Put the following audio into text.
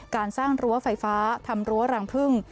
การสร้างรั้วไฟฟ้าทำรั้วรังพึ่ง